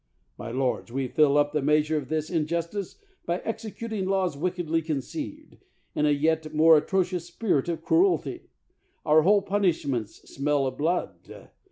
My lords, we fill up the measure of this in justice by executing laws wickedly conceived, in a yet more atrocious spirit of cruelty. Our whole punishments smell of blood.